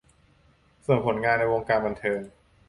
ส่วนผลงานในวงการบันเทิง